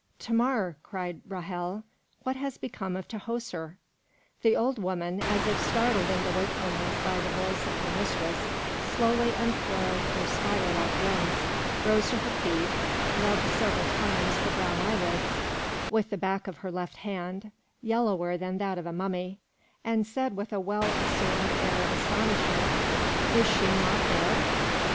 "Thamar," cried Ra'hel, "what has become of Tahoser?" The old woman, as if startled into wakefulness by the voice of her mistress, slowly uncoiled her spider like limbs, rose to her feet, rubbed several times her brown eyelids with the back of her left hand, yellower than that of a mummy, and said with a well assumed air of astonishment: "Is she not there?"